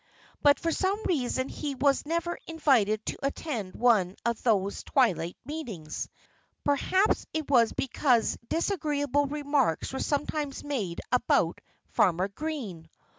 But for some reason he was never invited to attend one of those twilight meetings. Perhaps it was because disagreeable remarks were sometimes made about Farmer Green!